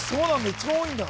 一番多いんだ